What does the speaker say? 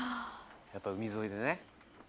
［やっぱ海沿いでね。］